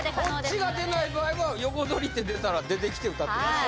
こっちが出ない場合は横取りって出たら出てきて歌ってください